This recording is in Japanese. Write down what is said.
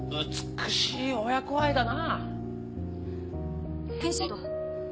美しい親子愛だな。